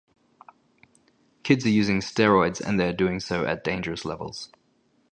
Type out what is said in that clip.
Kids are using steroids and they are doing so at dangerous levels.